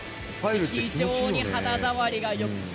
非常に肌触りがよくて。